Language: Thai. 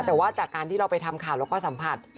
แต่ว่าจากการที่เราไปทำข่าวแล้วก็สัมผัส